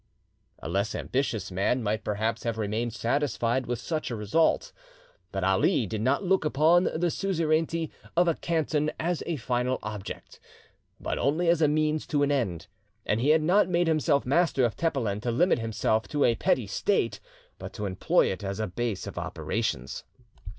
A less ambitious man might perhaps have remained satisfied with such a result. But Ali did not look upon the suzerainty of a canton as a final object, but only as a means to an end; and he had not made himself master of Tepelen to limit himself to a petty state, but to employ it as a base of operations.